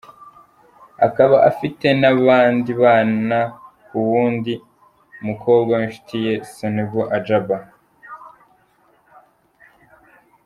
Akaba afite n’abandi bana ku wundi mukobwa w’inshuti ye, Sunmbo Ajaba.